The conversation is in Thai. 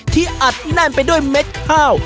อัดแน่นไปด้วยเม็ดข้าว